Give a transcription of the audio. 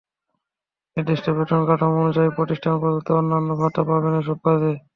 নির্দিষ্ট বেতন কাঠামো অনুযায়ী প্রতিষ্ঠান প্রদত্ত অন্যান্য ভাতাও পাবেন এসব কাজে।